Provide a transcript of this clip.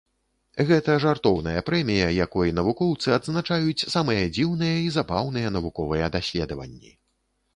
Гэта жартоўная прэмія, якой навукоўцы адзначаюць самыя дзіўныя і забаўныя навуковыя даследаванні.